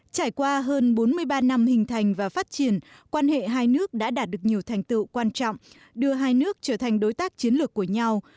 trải qua hơn bốn mươi ba năm hình thành và phát triển quan hệ hai nước đã đạt được nhiều thành tựu quan trọng đưa hai nước trở thành đối tác chiến lược của nhau